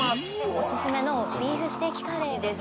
おすすめのビーフステーキカレーです